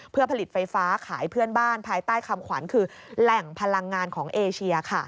เพื่อผลิตไฟฟ้าขายเพื่อนบ้านภายใต้คำขวัญคือแหล่งพลังงานของเอเชีย